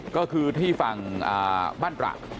ก็คือที่ฝั่งบ้านตระ